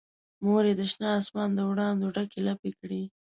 مور یې د شنه اسمان دوړانګو ډکې لپې کړي